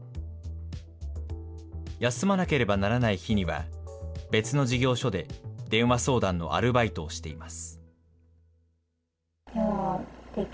休まなければならない日には別の事業所で電話相談のアルバイトをしています。